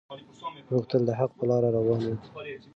موږ تل د حق په لاره روان یو.